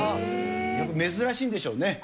やっぱり珍しいんでしょうね。